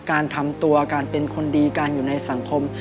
การทำตัวการเป็นคนดีการอยู่ในสังคม